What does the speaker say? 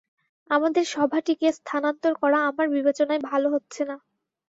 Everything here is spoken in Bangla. আমাদের সভাটিকে স্থানান্তর করা আমার বিবেচনায় ভালো হচ্ছে না।